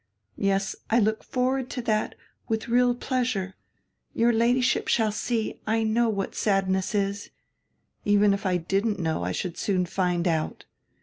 Yes, I look forward to diat widi real pleasure. Your Ladyship shall see I know what sadness is. Even if I didn't know, I should soon find out.